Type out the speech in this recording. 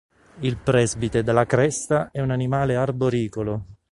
Il presbite dalla cresta è un animale arboricolo.